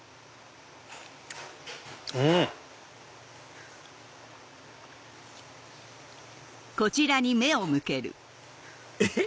うん！えっ？